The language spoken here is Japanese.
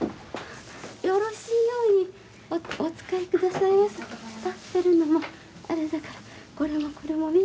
よろしいようにお使い下さいませ。